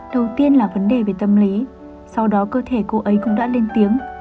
đầu tiên là vấn đề về tâm lý sau đó cơ thể cô ấy cũng đã lên tiếng